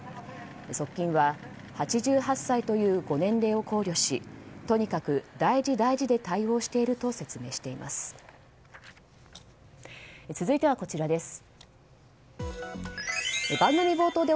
側近は、８８歳というご年齢を考慮しとにかく大事大事で対応していると説明しています。